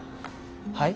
はい？